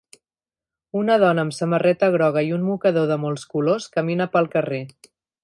Una dona amb samarreta groga i un mocador de molts colors camina pel carrer.